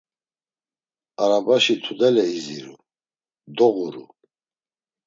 Arabaşi tudele iziru, doğuru.